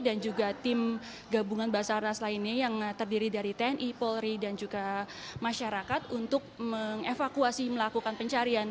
dan juga tim gabungan basarnas lainnya yang terdiri dari tni polri dan juga masyarakat untuk evakuasi melakukan pencarian